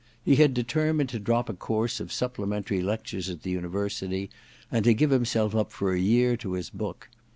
He had determined to drop a course of supple mentary lectures at the University and to give himself up for a year to his book.